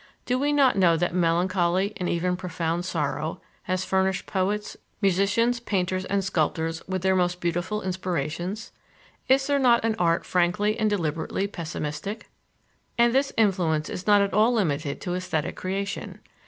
Do we not know that melancholy and even profound sorrow has furnished poets, musicians, painters, and sculptors with their most beautiful inspirations? Is there not an art frankly and deliberately pessimistic? And this influence is not at all limited to esthetic creation.